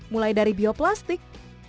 mulai dari bioplastik